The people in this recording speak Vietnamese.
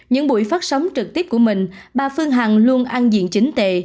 những buổi phát sóng trực tiếp của mình bà phương hằng luôn ăn diện chính tệ